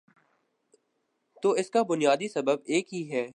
تو اس کا بنیادی سبب ایک ہی ہے۔